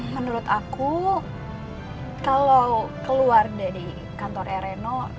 menurut aku kalau keluar dari kantornya reno